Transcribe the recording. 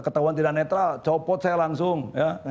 ketahuan tidak netral copot saya langsung ya